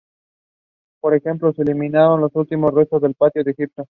Por ejemplo, se eliminaron los últimos restos del patio de Egipto.